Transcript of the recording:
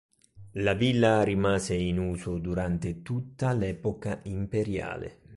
La villa rimase in uso durante tutta l'epoca imperiale.